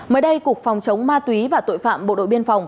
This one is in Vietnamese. mới đây cục phòng chống ma túy và tội phạm bộ đội biên phòng